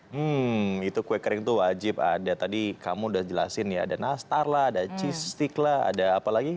hmm itu kue kering tuh wajib ada tadi kamu udah jelasin ya ada nastar lah ada cheese stick lah ada apa lagi